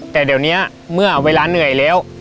แต่เดี๋ยวนี้เมื่อเวลาเหนื่อยแล้ว